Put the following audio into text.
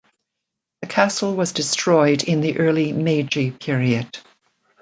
The castle was destroyed in the early Meiji period.